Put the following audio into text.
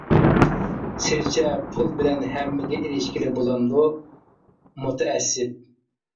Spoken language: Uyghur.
سىزچە پۇل بىلەن ھەممىگە ئېرىشكىلى بولامدۇ؟ مۇتەئەسسىپ!